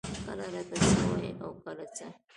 کله راته څۀ وائي او کله څۀ ـ